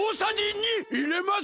２いれます